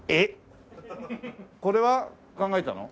これは考えたの？